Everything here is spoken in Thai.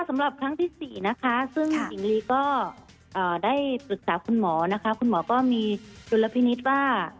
สำหรับครั้งที่๔นะคะซึ่งหญิงลีก็ได้ปรึกษาคุณหมอนะคะคุณหมอก็มีดุลพินิษฐ์ว่า